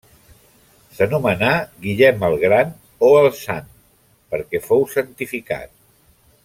S'anomenà Guillem el gran o el sant, perquè fou santificat.